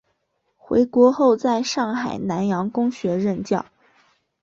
回国后在上海南洋公学任教。